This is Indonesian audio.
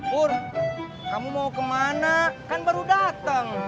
pur kamu mau kemana kan baru dateng